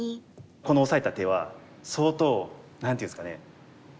このオサえた手は相当何ていうんですかね。